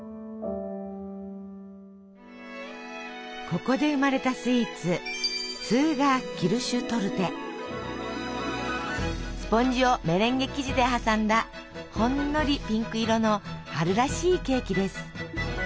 ここで生まれたスイーツスポンジをメレンゲ生地で挟んだほんのりピンク色の春らしいケーキです。